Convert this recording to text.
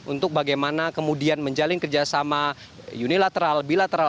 untuk bagaimana kemudian menjalin kerjasama unilateral bilateral